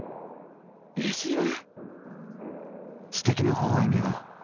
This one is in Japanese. うれしいヮ。